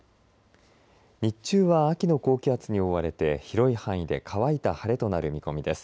日中は秋の高気圧に覆われて広い範囲で乾いた晴れとなる見込みです。